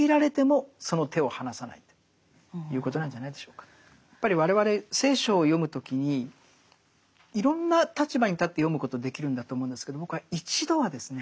最後までというかやっぱり我々聖書を読む時にいろんな立場に立って読むことできるんだと思うんですけど僕は一度はですね